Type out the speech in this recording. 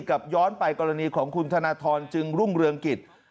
ย้อนไปกรณีของคุณธนทรจึงรุ่งเรืองกิจ